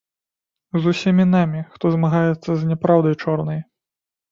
З усімі намі, хто змагаецца з няпраўдай чорнай.